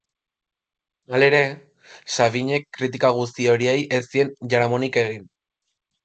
Halere, Sabinek kritika guzti horiei ez zien jaramonik egin.